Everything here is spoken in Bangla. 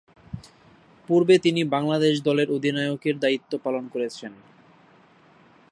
পূর্বে তিনি বাংলাদেশ দলের অধিনায়কের দায়িত্ব পালন করেছেন।